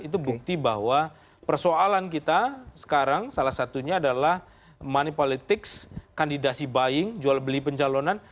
itu bukti bahwa persoalan kita sekarang salah satunya adalah money politics kandidasi buying jual beli pencalonan